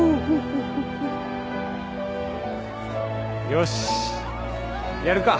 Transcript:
よしやるか。